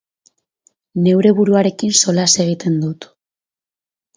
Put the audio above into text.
Neure buruarekin solas egiten dut.